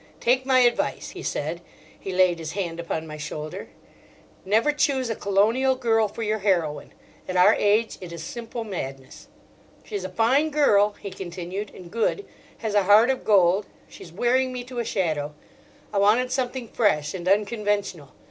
Take my advice," he said—he laid his hand upon my shoulder—"Never choose a colonial girl for your heroine. At our age it is simple madness." "She's a fine girl," he continued, "and good. Has a heart of gold. She's wearing me to a shadow. I wanted something fresh and unconventional.